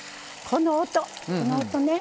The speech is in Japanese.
この音ね。